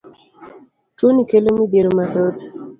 Tuoni kelo midhiero mathoth.